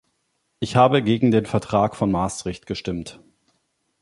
Ich habe gegen den Vertrag von Maastricht gestimmt.